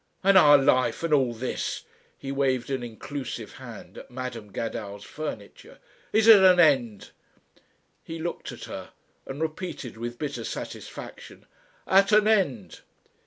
And our life and all this" he waved an inclusive hand at Madam Gadow's furniture "is at an end." He looked at her and repeated with bitter satisfaction, "At an end."